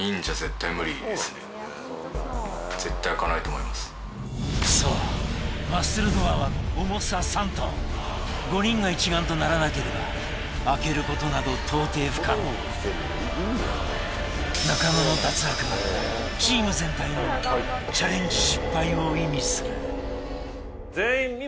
もしそうマッスルドアは重さ３ｔ５人が一丸とならなければ開けることなど到底不可能中野の脱落はチーム全体のチャレンジ失敗を意味する